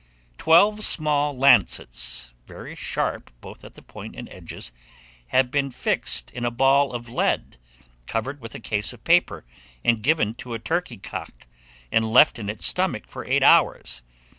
Twelve small lancets, very sharp both at the point and edges, have been fixed in a ball of lead, covered with a case of paper, and given to a turkey cock, and left in its stomach for eight hours.